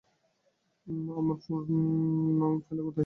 আমার ফোন নং পেলে কোথায়?